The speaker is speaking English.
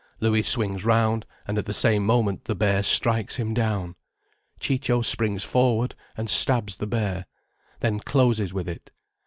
Louis swings round, and at the same moment the bear strikes him down. Ciccio springs forward and stabs the bear, then closes with it.